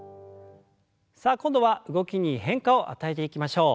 さあ今度は動きに変化を与えていきましょう。